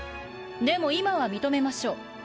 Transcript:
でも今は認めましょう。